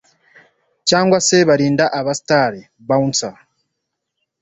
cyngwa se barinda aba star(bouncers